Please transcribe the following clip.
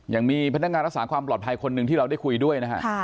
ยังมีพนักงานรักษาความปลอดภัยคนหนึ่งที่เราได้คุยด้วยนะฮะ